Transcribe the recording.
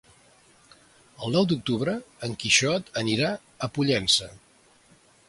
El nou d'octubre en Quixot anirà a Pollença.